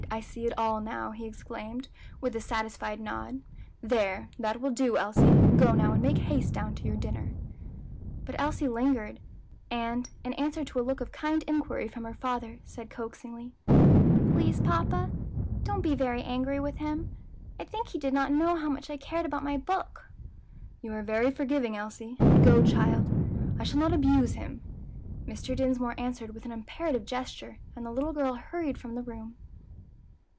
I see it all now," he exclaimed, with a satisfied nod. "There, that will do, Elsie; go now and make haste down to your dinner." But Elsie lingered, and, in answer to a look of kind inquiry from her father, said coaxingly, "Please, papa, don't be very angry with him. I think he did not know how much I cared about my book." "You are very forgiving, Elsie; but go, child, I shall not abuse him," Mr. Dinsmore answered, with an imperative gesture, and the little girl hurried from the room.